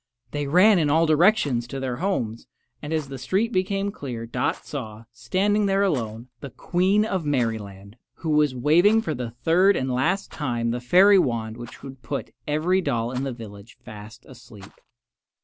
They ran in all directions to their homes, and as the street became clear Dot saw, standing there alone, the Queen of Merryland, who was waving for the third and last time the fairy wand which would put every doll in the village fast asleep.